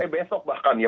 besok bahkan ya